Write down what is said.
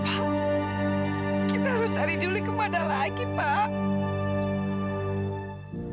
pak kita harus cari julie kemana lagi pak